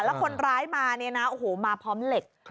แล้วคนร้ายมาเนี่ยนะโอ้โหมาพร้อมเหล็ก